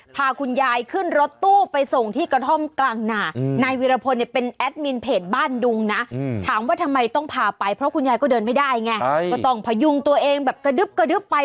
เพราะคุณยายก็เดินไม่ได้ไงก็ต้องพยุงตัวเองแบบกระดึ๊บไป